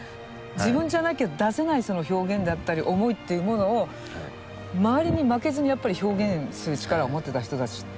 自分じゃなきゃ出せない表現だったり思いっていうものを周りに負けずに表現する力を持ってた人たち。